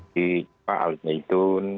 di jepang alit meitun